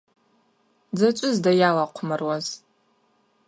Дзачӏвызда йалахъвмаруаз?